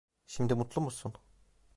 Şimdi mutlu musun?